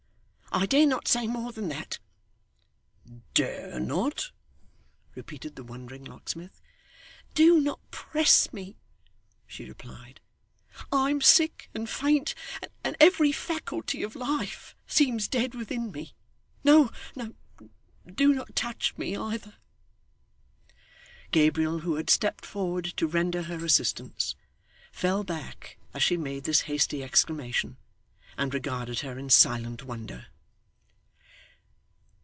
I dare not say more than that.' 'Dare not!' repeated the wondering locksmith. 'Do not press me,' she replied. 'I am sick and faint, and every faculty of life seems dead within me. No! Do not touch me, either.' Gabriel, who had stepped forward to render her assistance, fell back as she made this hasty exclamation, and regarded her in silent wonder.